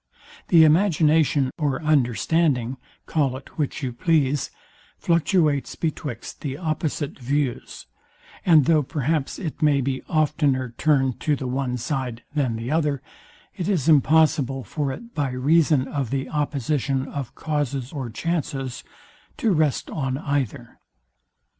The imagination or understanding, call it which you please, fluctuates betwixt the opposite views; and though perhaps it may be oftener turned to the one side than the other, it is impossible for it, by reason of the opposition of causes or chances, to rest on either.